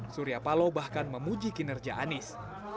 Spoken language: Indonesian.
surya palo bahkan memuji kinerja anies